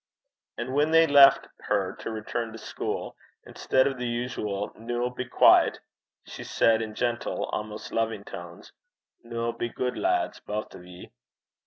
And when they left her to return to school, instead of the usual 'Noo be douce,' she said, in gentle, almost loving tones, 'Noo, be good lads, baith o' ye.'